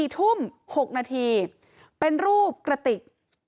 ๔ทุ่ม๖นาทีเป็นรูปกระติก